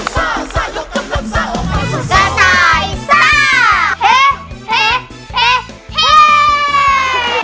กระต่ายซ่าเฮ